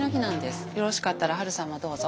よろしかったらハルさんもどうぞ。